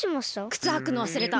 くつはくのわすれた。